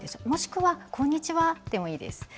もしくは「こんにちは」でもいいです。